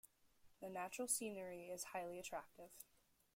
The natural scenery is highly attractive.